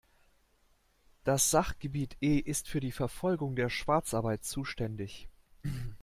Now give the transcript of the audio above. Das Sachgebiet E ist für die Verfolgung der Schwarzarbeit zuständig.